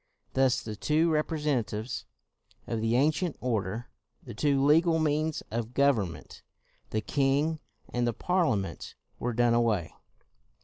Thus the two representatives of the ancient order, the two legal means of government, the king and the Parliament were done away.